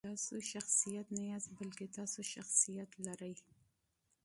تاسو شخصیت نه یاستئ، بلکې تاسو شخصیت لرئ.